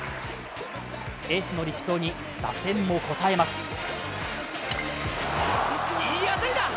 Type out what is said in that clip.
エースの力投に打線も応えます。